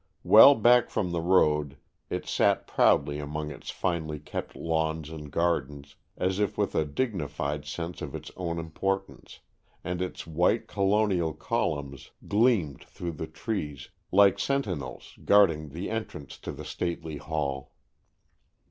Well back from the road, it sat proudly among its finely kept lawns and gardens, as if with a dignified sense of its own importance, and its white, Colonial columns gleamed through the trees, like sentinels guarding the entrance to the stately hall.